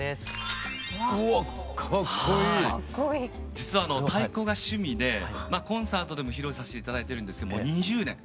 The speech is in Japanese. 実は太鼓が趣味でコンサートでも披露させて頂いてるんですもう２０年。